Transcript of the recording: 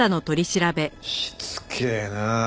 しつけえな。